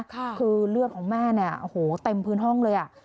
คือเลือดของแม่เนี่ยโอ้โหเต็มพื้นห้องเลยอ่ะ